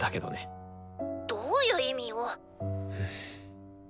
どういう意味よ！？